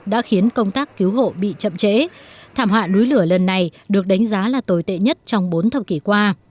đã khiến công tác cứu hộ bị chậm trễ thảm họa núi lửa lần này được đánh giá là tồi tệ nhất trong bốn thập kỷ qua